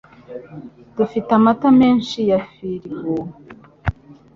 Dufite amata menshi ya firigo.